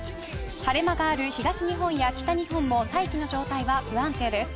晴れ間がある東日本や北日本も大気の状態は不安定です。